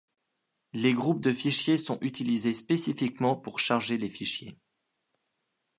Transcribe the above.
Les groupes de fichiers sont utilisés spécifiquement pour charger les fichiers.